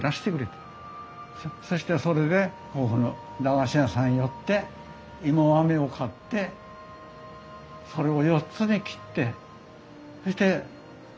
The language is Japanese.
そしてそれでここの駄菓子屋さん寄って芋あめを買ってそれを４つに切ってそして一つずつ食べました。